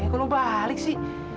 eh kok lu balik sih